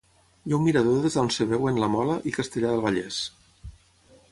Hi ha un mirador des d'on es veuen la Mola i Castellar del Vallès.